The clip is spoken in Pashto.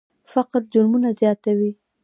فقر جرمونه زیاتوي.